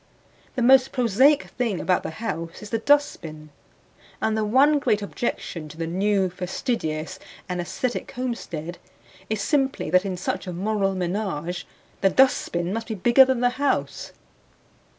The most prosaic thing about the house is the dustbin, and the one great objection to the new fastidious and aesthetic homestead is simply that in such a moral menage the dustbin must be bigger than the house.